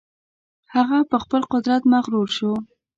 هغه په خپل قدرت مغرور شو.